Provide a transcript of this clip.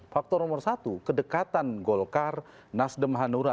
faktor nomor satu kedekatan golkar nasdem hanura